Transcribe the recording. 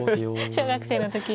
小学生の時に。